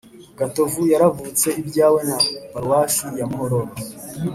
gatovu yaravutse ibyawe na paruwasi ya muhororo